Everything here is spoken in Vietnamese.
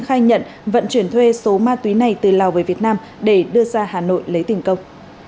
khai nhận vận chuyển thuê số ma túy này từ lào về việt nam để đưa ra hà nội lấy tình công